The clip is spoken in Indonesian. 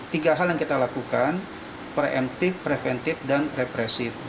tiga hal yang kita lakukan preemptif preventif dan represif